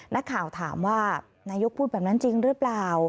นักข่าวถามว่านายกพูดแบบนั้นจริงหรือเปล่า